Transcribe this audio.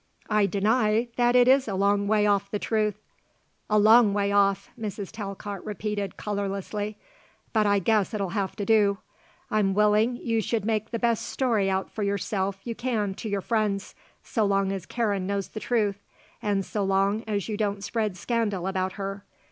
"I deny that it is a long way off the truth." "A long way off," Mrs. Talcott repeated colourlessly; "but I guess it'll have to do. I'm willing you should make the best story out for yourself you can to your friends, so long as Karen knows the truth and so long as you don't spread scandal about her.